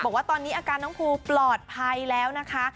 บอกว่าตอนนี้อาการน้องภูแล้วปลอดภัยเลยนะ